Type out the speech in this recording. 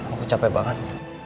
aku capek banget